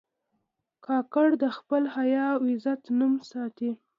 کاکړ د خپل حیا او غیرت نوم ساتي.